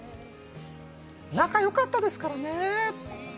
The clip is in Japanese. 仲よかったですからね。